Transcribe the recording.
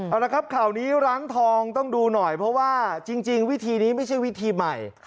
เอาละครับข่าวนี้ร้านทองต้องดูหน่อยเพราะว่าจริงวิธีนี้ไม่ใช่วิธีใหม่